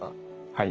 はい。